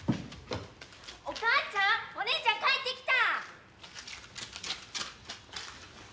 お母ちゃんお姉ちゃん帰ってきた！